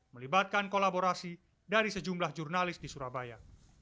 melibatkan kolaborasi dari sejumlah jurnalis di surabaya